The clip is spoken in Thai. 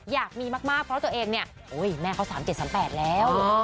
อยากมีมากเพราะตัวเองเนี่ยแม่เขา๓๗๓๘แล้ว